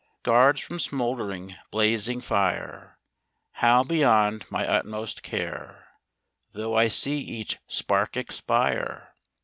I Guards from smould'ring blazing fire, How beyond my utmost care; Though I see each spark expire